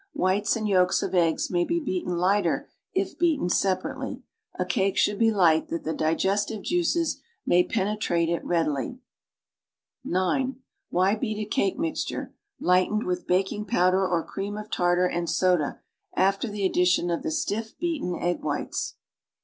Whites and yolks of eggs may be beaten lighter if beaten separately. A cake should be light that the digestive juices may penetrate it readily. (9) Why beat a cake mixture (lightened with, baking powder or cream of tartar and soda) after the addition of the stiff beaten egg whites? 45 Ans.